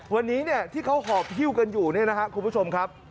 วันนี้ที่เขาหอบพิวกันอยู่คุณผู้ชมครับ